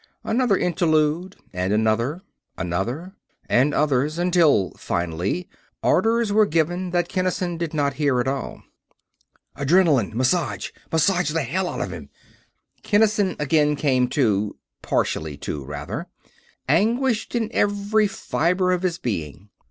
Another interlude, and another. Another. And others. Until finally, orders were given which Kinnison did not hear at all. "Adrenalin! Massage! Massage hell out of him!" Kinnison again came to partially to, rather anguished in every fiber of his being.